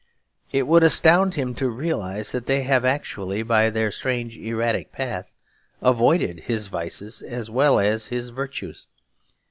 It would astound him to realise that they have actually, by their strange erratic path, avoided his vices as well as his virtues.